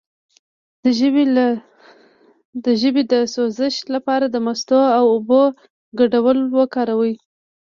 د ژبې د سوزش لپاره د مستو او اوبو ګډول وکاروئ